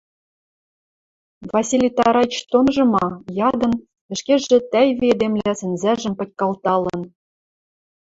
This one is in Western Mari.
— Василий Тараич тоныжы ма? — ядын, ӹшкежӹ тӓйви эдемлӓ сӹнзӓжӹм пытькалталын.